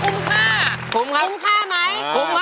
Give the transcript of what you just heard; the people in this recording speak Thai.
เผื่อว่าคุ้มค่าคุ้มค่ะคุ้มค่ะไหม